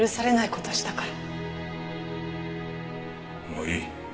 もういい。